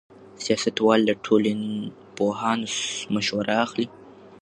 سیاستوال له ټولنپوهانو مشوره اخلي.